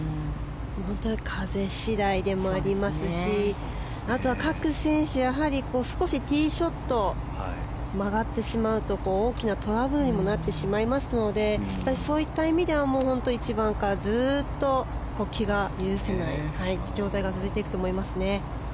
風次第でもありますしあとは各選手少しティーショット曲がってしまうと大きなトラブルにもなってしまいますのでそういった意味では本当に１番からずっと気が許せない状態が続いていくと思いますね。